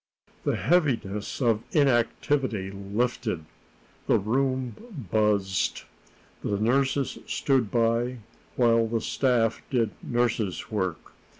The heaviness of inactivity lifted. The room buzzed. The nurses stood by, while the staff did nurses' work.